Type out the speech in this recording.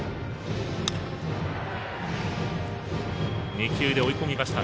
２球で追い込みました。